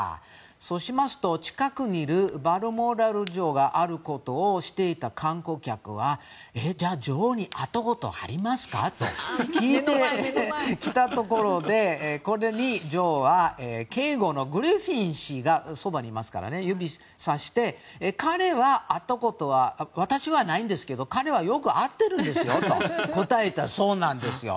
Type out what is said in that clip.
そうしますと、近くにいるバルモラル城があることを知っていた観光客はじゃあ、女王に会ったことありますかと聞いてきたところでこれに女王は警護のグリフィンさんがそばにいますから、指さして私はないんですけど彼はよく会ってるんですよと答えたそうなんですよ。